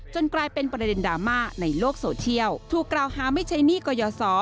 กลายเป็นประเด็นดราม่าในโลกโซเชียลถูกกล่าวหาไม่ใช้หนี้ก่อยสอ